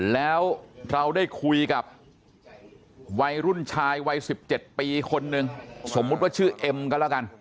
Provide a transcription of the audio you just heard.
แล้วเราได้คุยกับวัยรุ่นชายวัย๑๗ปีคนนึงสมมุติว่าชื่อเอ็มก็แล้วกัน